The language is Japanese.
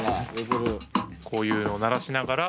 こういうのを鳴らしながら。